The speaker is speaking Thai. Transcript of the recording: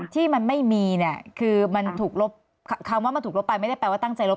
ที่มันไม่มีเนี่ยคือมันถูกลบคำว่ามันถูกลบไปไม่ได้แปลว่าตั้งใจลบ